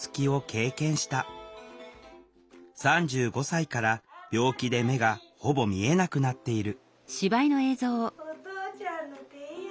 ３５歳から病気で目がほぼ見えなくなっている「お父ちゃんの手や」。